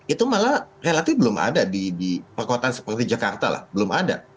itu malah relatif belum ada di perkotaan seperti jakarta lah belum ada